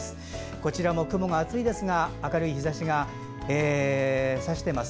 こちらも雲が厚いですが明るい日ざしが差してます。